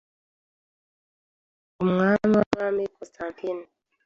Umwami w’abami Constantin